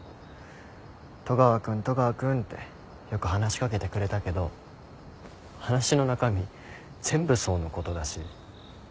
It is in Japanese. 戸川君戸川君ってよく話し掛けてくれたけど話の中身全部想のことだし。